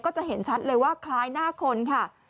จะเห็นชัดเลยว่าคล้ายหน้าคนค่ะ